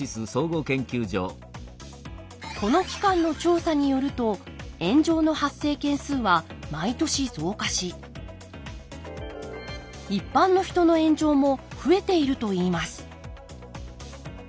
この機関の調査によると炎上の発生件数は毎年増加し一般の人の炎上も増えているといいます。